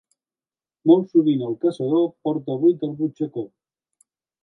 Molt sovint el caçador porta buit el butxacó.